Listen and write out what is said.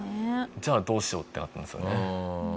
じゃあどうしよう？ってなったんですよね。